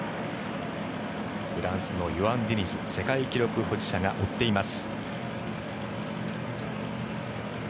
フランスのヨアン・ディニズ世界記録保持者が追っています。